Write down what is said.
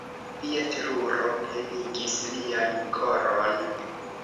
Pia teruro plenigis lian koron.